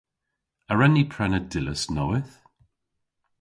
A wren ni prena dillas nowydh?